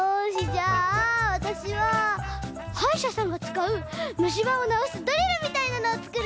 じゃあわたしははいしゃさんがつかうむしばをなおすドリルみたいなのをつくるね。